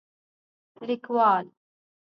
لیکوال: